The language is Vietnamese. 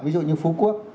ví dụ như phú quốc